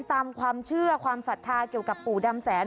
ตามความเชื่อความศรัทธาเกี่ยวกับปู่ดำแสน